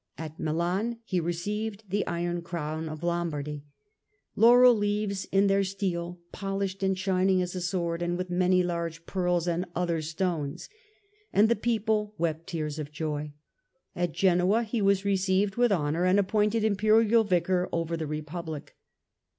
At Milan he received the iron crown of Lombardy ; "laurel leaves in their steel, polished and shining as a sword, and with many large pearls and other stones," and the people wept tears of joy. At Genoa he was received with honour and appointed Imperial Vicar over the Re public.